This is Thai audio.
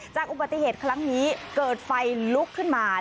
อุบัติเหตุครั้งนี้เกิดไฟลุกขึ้นมา